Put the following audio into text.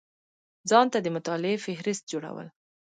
ځان ته د مطالعې فهرست جوړول